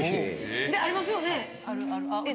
ありますよねえっ？